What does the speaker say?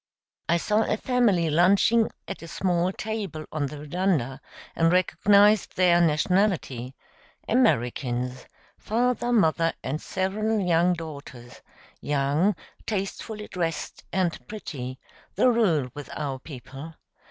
I saw a family lunching at a small table on the veranda, and recognized their nationality Americans father, mother, and several young daughters young, tastefully dressed, and pretty the rule with our people.